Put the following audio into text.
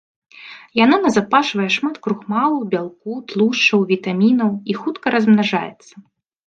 Яна назапашвае шмат крухмалу, бялку, тлушчаў, вітамінаў і хутка размнажаецца.